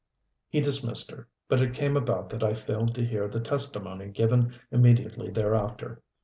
He dismissed her, but it came about that I failed to hear the testimony given immediately thereafter.